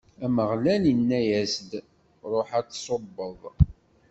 Ameɣlal inna-as-d: Ṛuḥ ad tṣubbeḍ!